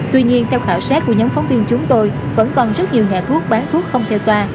tuy nhiên theo khảo sát của nhóm phóng viên chúng tôi vẫn còn rất nhiều nhà thuốc bán thuốc không theo toa